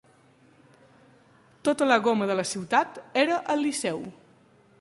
Tota la goma de la ciutat era al Liceu.